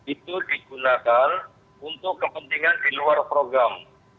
itu digunakan untuk kepentingan di luar program